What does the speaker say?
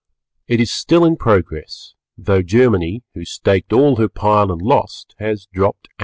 it is still in progress, though Germany, who staked all her pile and lost, has dropped out.